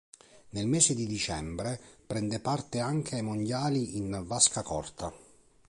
Nel mese di dicembre, prende parte anche ai mondiali in vasca corta.